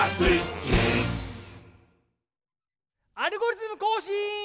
「アルゴリズムこうしん」！